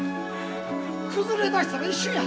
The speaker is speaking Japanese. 崩れ出したら一瞬や。